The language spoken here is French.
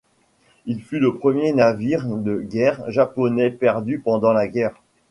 Il fut le premier navire de guerre japonais perdu pendant la guerre.